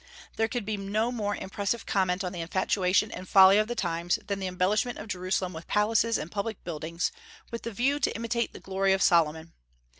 There could be no more impressive comment on the infatuation and folly of the times than the embellishment of Jerusalem with palaces and public buildings, with the view to imitate the glory of Solomon.